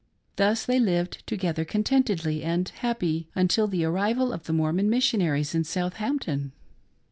Thus they lived together contentedly and happy until the arrival of the Mormon Missionaries in Southampton.